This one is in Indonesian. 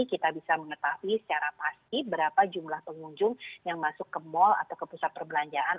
kita bisa mengetahui secara pasti berapa jumlah pengunjung yang masuk ke mall atau ke pusat perbelanjaan